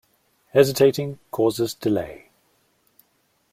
Hesitating causes delay.